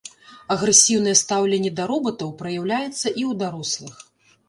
Агрэсіўнае стаўленне да робатаў праяўляецца і ў дарослых.